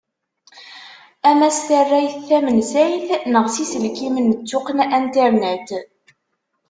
Ama s tarrayt tamensayt neɣ s yiselkimen d tuqqna internet.